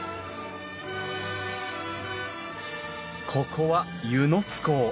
ここは温泉津港。